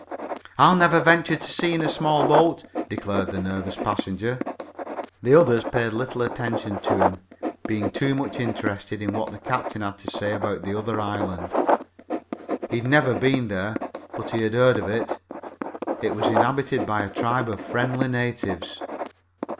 "I'll never venture to sea in a small boat!" declared the nervous passenger. The others paid little attention to him, being too much interested in what the captain had to say about the other island. He had never been there, but he had heard of it. It was inhabited by a tribe of friendly natives.